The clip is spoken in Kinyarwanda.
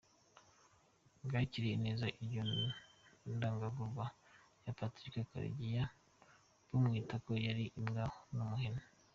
Bwakiriye neza iryo gandagurwa rya Patrick Karegeya, bumwita ko yari "imbwa, n'umuhemu".